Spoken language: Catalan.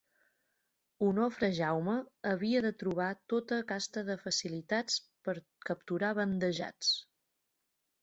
Onofre Jaume havia de trobar tota casta de facilitats per capturar bandejats.